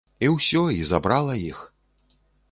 І ўсё, і забрала іх.